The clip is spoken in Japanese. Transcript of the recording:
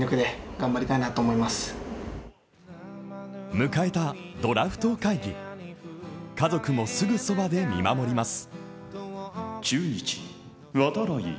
迎えたドラフト会議、家族もすぐそばで見守ります。